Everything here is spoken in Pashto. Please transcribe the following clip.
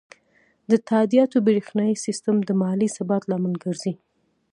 د تادیاتو بریښنایی سیستم د مالي ثبات لامل ګرځي.